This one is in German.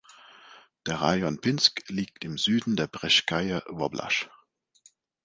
Der Rajon Pinsk liegt im Süden der Breszkaja Woblasz.